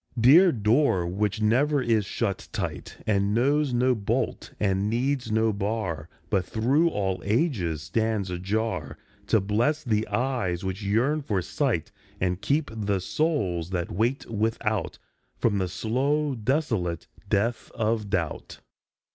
112 THE PORCH OF LIFE Dear door, which never is shut tight, And knows no bolt and needs no bar, But through all ages stands ajar To bless the eyes which yearn for sight, And keep the souls that wait without From the slow desolate death of doubt